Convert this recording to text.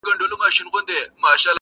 • کرۍ ورځ به پر باوړۍ نه ګرځېدلای -